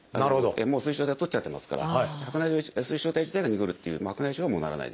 もう水晶体を取っちゃってますから水晶体自体がにごるっていう白内障はもうならないです。